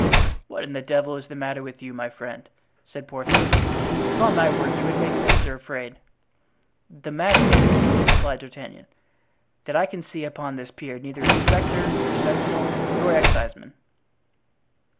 "What in the devil is the matter with you, my friend?" said Porthos. "Upon my word you would make Caesar afraid." "The matter is," replied D'Artagnan, "that I can see upon this pier neither inspector nor sentinel nor exciseman."